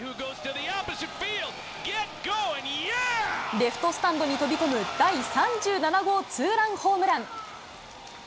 レフトスタンドに飛び込む第３７号ツーランホームラン。